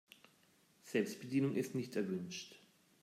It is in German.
Selbstbedienung ist nicht erwünscht.